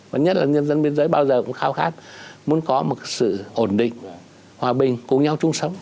và nhất là nhân dân biên giới bao giờ cũng khao khát muốn có một sự ổn định hòa bình cùng nhau chung sống